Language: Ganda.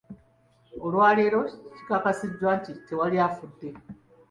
Olwaleero kikakasiddwa nti, tewali afudde.